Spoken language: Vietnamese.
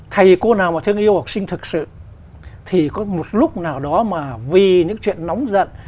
thầy cô nào mà thương yêu học sinh thực sự thì có một lúc nào đó mà vì những chuyện nóng giận